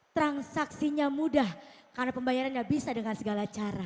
transaksinya mudah karena pembayarannya bisa dengan segala cara